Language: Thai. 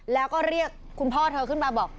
แล้วก็เรียกคุณพ่อเธอขึ้นมาบอก